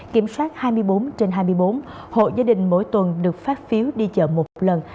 kiểm soát hai mươi bốn trên hai mươi bốn hộ gia đình mỗi tuần được phát phiếu đi chợ một lần